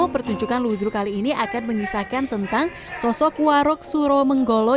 pertunjukan ludru kali ini akan mengisahkan tentang sosok warok suro menggolo